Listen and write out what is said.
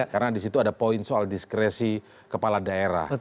karena disitu ada poin soal diskresi kepala daerah